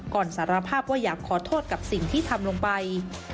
สารภาพว่าอยากขอโทษกับสิ่งที่ทำลงไป